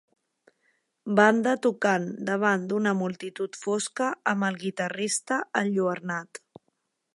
Banda tocant davant d'una multitud fosca amb el guitarrista enlluernat.